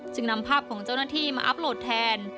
นำภาพของเจ้าหน้าที่มาอัพโหลดแทน